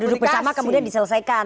bisa duduk bersama kemudian diselesaikan